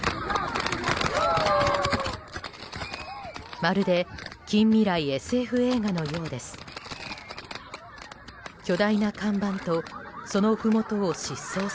まるで近未来ＳＦ映画のようです。